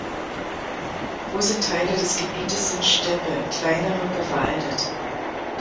Große Teile des Gebietes sind Steppe, kleinere bewaldet.